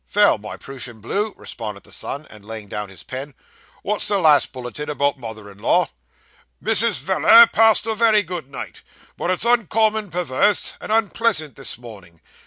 'Vell, my Prooshan Blue,' responded the son, laying down his pen. 'What's the last bulletin about mother in law?' 'Mrs. Veller passed a very good night, but is uncommon perwerse, and unpleasant this mornin'.